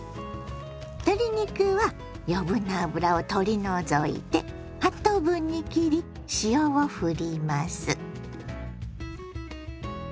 鶏肉は余分な脂を取り除いて８等分に切り塩をふります。